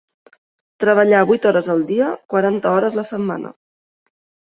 Treballar vuit hores el dia, quaranta hores la setmana.